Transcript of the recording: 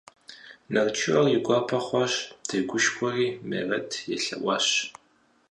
Нарчу ар и гуапэ хъуащ, тегушхуэри Мерэт елъэӀуащ.